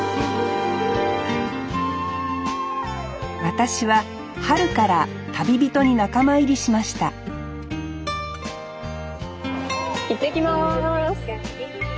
私は春から旅人に仲間入りしましたいってきます。